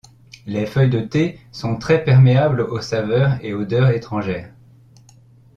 Les feuilles de thé sont très perméables aux saveurs et odeurs étrangères.